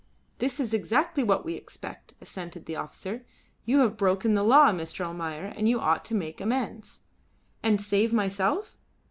"This is exactly what we expect," assented the officer. "You have broken the law, Mr. Almayer, and you ought to make amends." "And save myself?"